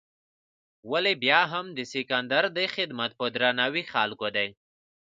ولې بیا هم د سکندر دې خدمت په درناوي خلکو دی.